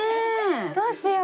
どうしよう？